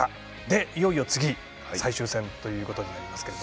いよいよ、次、最終戦ということになりますが。